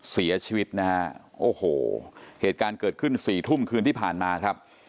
เสียชีวิตนะฮะโอ้โหเหตุการณ์เกิดขึ้นสี่ทุ่มคืนที่ผ่านมาครับ